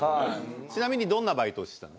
ちなみにどんなバイトをしてたの？